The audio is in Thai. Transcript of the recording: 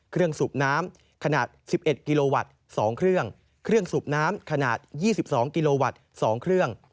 สูบน้ำขนาด๑๑กิโลวัตต์๒เครื่องเครื่องสูบน้ำขนาด๒๒กิโลวัตต์๒เครื่อง